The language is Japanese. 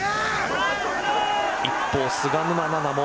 一方、菅沼菜々も